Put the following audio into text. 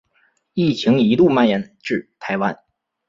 疫情一度蔓延至台湾。